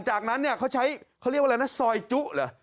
จากนั้นเขาใช้ซอยจุ